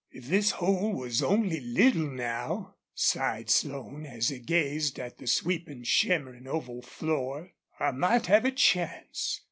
"If this hole was only little, now," sighed Slone, as he gazed at the sweeping, shimmering oval floor, "I might have a chance.